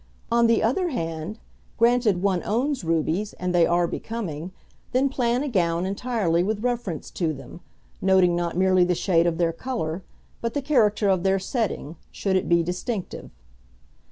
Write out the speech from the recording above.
On the other hand, granted one owns rubies and they are becoming, then plan a gown entirely with reference to them, noting not merely the shade of their colour, but the character of their setting, should it be distinctive.